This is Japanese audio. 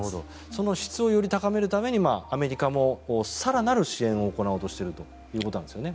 その質をより高めるためにアメリカも更なる支援を行おうとしているということなんですよね。